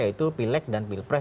yaitu pilek dan pilpres